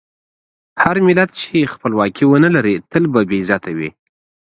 هر ملت چې خپلواکي ونه لري، تل به بې عزته وي.